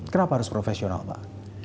kenapa harus profesional pak